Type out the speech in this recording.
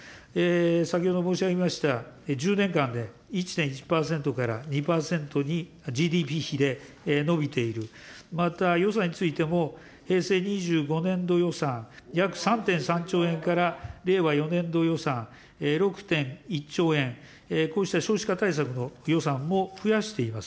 先ほども申し上げました、１０年間で１．１％から２％にＧＤＰひで、伸びている、また予算についても、平成２５年度予算、約３．３兆円から令和４年度予算６．１兆円、こうした少子化対策の予算も増やしています。